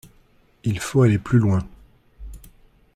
Il faut aller plus loin.